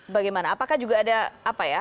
bagaimana apakah juga ada apa ya